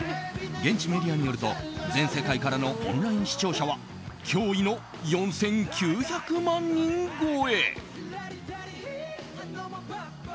現地メディアによると全世界からのオンライン視聴者は驚異の４９００万人超え。